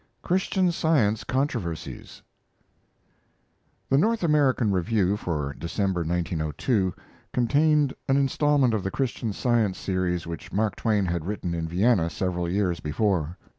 CHRISTIAN SCIENCE CONTROVERSIES The North American Review for December (1902) contained an instalment of the Christian Science series which Mark Twain had written in Vienna several years before.